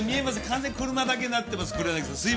完全に「車」だけになってます